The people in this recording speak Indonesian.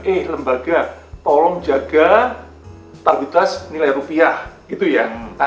eh lembaga tolong jaga stabilitas nilai rupiah gitu ya